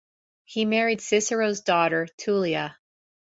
He married Cicero's daughter, Tullia.